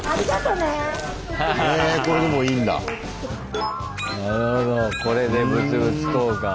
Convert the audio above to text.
なるほどこれで物々交換。